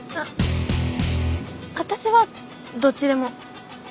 私はどっちでも。